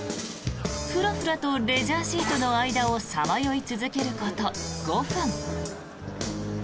フラフラとレジャーシートの間をさまよい続けること、５分。